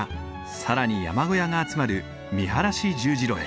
更に山小屋が集まる見晴十字路へ。